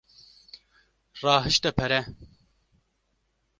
Rahişte pere.